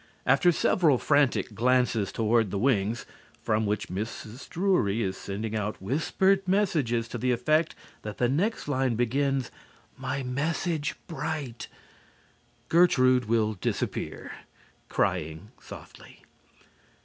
After several frantic glances toward the wings, from which Mrs. Drury is sending out whispered messages to the effect that the next line begins, "My message bright " Gertrude will disappear, crying softly.